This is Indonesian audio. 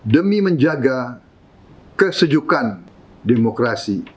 demi menjaga kesejukan demokrasi